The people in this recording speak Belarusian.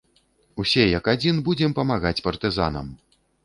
Усе, як адзін, будзем памагаць партызанам!